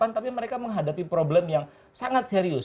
tapi mereka menghadapi problem yang sangat serius